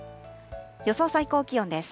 予想最高気温です。